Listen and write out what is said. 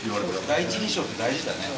第一印象って大事だね。